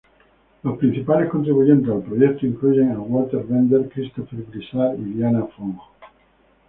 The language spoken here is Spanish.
Los principales contribuyentes al proyecto incluyen a Walter Bender, Christopher Blizzard y Diana Fong.